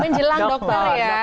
menjelang dokter ya